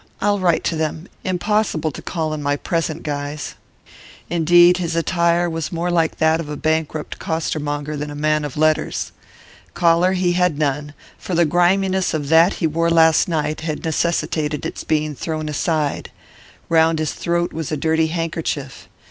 I'll write to them; impossible to call in my present guise.' Indeed his attire was more like that of a bankrupt costermonger than of a man of letters. Collar he had none, for the griminess of that he wore last night had necessitated its being thrown aside; round his throat was a dirty handkerchief.